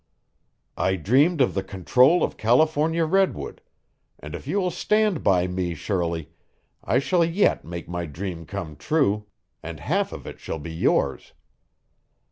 I dreamed of the control of California redwood; and if you will stand by me, Shirley, I shall yet make my dream come true and half of it shall be yours.